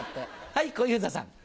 はい、小遊三さん。